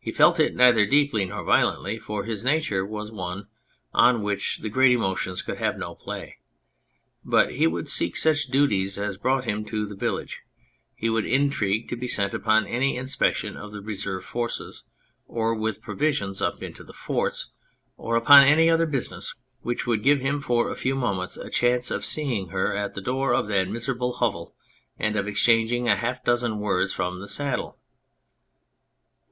He felt it neither deeply nor violently, for his nature was one on which the great emotions could have no play ; but he would seek such duties as brought him to the village, he would intrigue to be sent upon any inspection of the reserve forces or with pro visions up into the forts, or upon any other business which would give him for a few moments a chance of seeing her at the door of that miserable hovel, and of exchanging half a dozen words from the saddle.